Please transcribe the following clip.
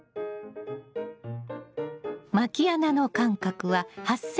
まき穴の間隔は８ｃｍ。